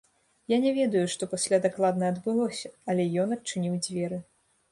Я не ведаю, што пасля дакладна адбылося, але ён адчыніў дзверы.